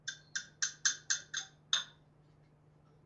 舰载机随舰多次到亚丁湾执行护航任务。